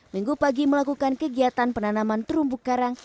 minggu pagi melakukan kegiatan penanaman terumbu karang